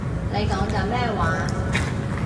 你講緊咩話